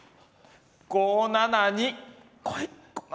５７２こい！